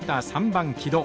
３番木戸。